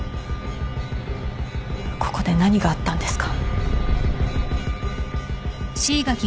ここで何があったんですか？